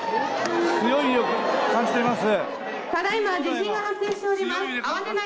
強い揺れを感じています。